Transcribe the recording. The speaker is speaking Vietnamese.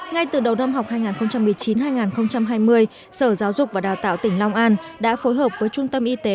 ngay từ đầu năm học hai nghìn một mươi chín hai nghìn hai mươi sở giáo dục và đào tạo tỉnh long an đã phối hợp với trung tâm y tế